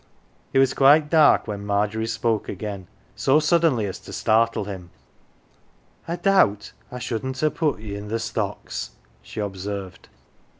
It was quite dark when Margery spoke again, so suddenly as to startle him. " I doubt I shouldn't ha' put ye i' th' stocks," she observed.